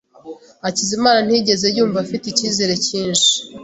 Hakizimana ntiyigeze yumva afite icyizere cyinshi.